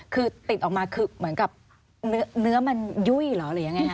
คือติดออกมาคือเหมือนกับเนื้อมันยุ่ยเหรอหรือยังไงคะ